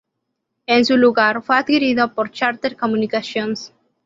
En su lugar, fue adquirido por Charter Communications.